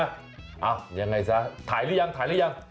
อ้าวยังไงซะถ่ายรึยังถ่ายรึยัง